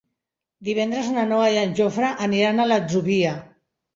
Divendres na Noa i en Jofre aniran a l'Atzúbia.